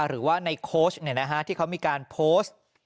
หรือว่าในโค้ชที่เขามีการโพสต์